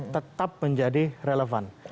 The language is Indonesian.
tetap menjadi relevant